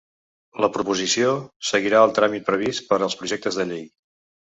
La proposició seguirà el tràmit previst per als projectes de llei.